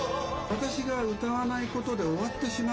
私が歌わないことで終わってしまう。